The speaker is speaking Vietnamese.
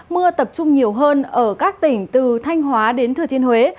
mưa tập trung nhiều hơn ở các tỉnh từ thanh hóa đến thừa thiên huế